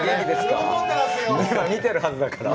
今、見てるはずだから。